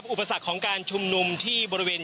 อุปสรรคของการชุมนุมที่บริเวณ